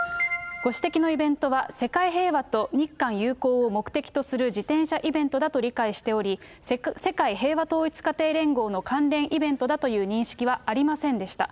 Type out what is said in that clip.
ご指摘のイベントは、世界平和と日韓友好を目的とする自転車イベントだと理解しており、世界平和統一家庭連合の関連イベントだという認識はありませんでした。